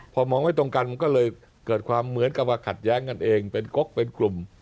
พอมองไม่ตรงกันมันก็เลยเกิดความเหมือนกับว่าขัดแย้งกันเองเป็นก๊กเป็นกลุ่ม